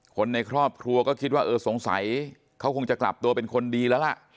คนในครอบครัวก็คิดว่าเออสงสัยเขาคงจะกลับตัวเป็นคนดีแล้วล่ะ